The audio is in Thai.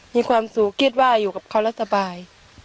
มีความสุขคิดว่าอยู่กับเขาแล้วสบาย